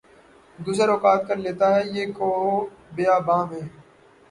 گزر اوقات کر لیتا ہے یہ کوہ و بیاباں میں